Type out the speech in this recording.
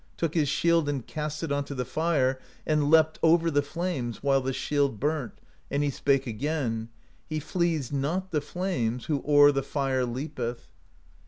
took his shield and cast it onto the fire, and leapt over the flames, while the shield burnt; and he spake again: 'He flees not the flames Who o'er the fire leapeth